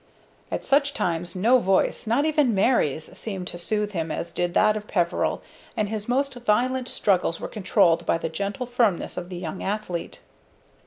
At such times no voice, not even Mary's, seemed to soothe him as did that of Peveril, and his most violent struggles were controlled by the gentle firmness of the young athlete.